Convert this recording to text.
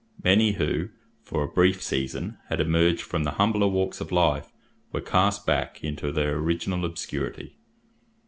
Many who, for a brief season, had emerged from the humbler walks of life, were cast back into their original obscurity.